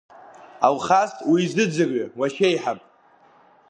Алхас, уизыӡырҩы уашьеиҳаб.